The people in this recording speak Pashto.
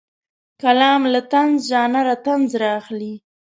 کالم له طنز ژانره طنز رااخلي.